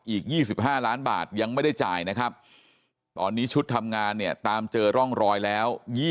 อีก๒๕ล้านบาทยังไม่ได้จ่ายนะครับตอนนี้ชุดทำงานเนี่ยตามเจอร่องรอยแล้ว